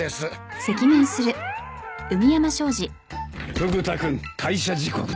フグ田君退社時刻だ。